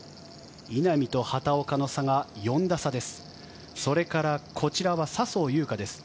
稲見と畑岡の差が４打差です。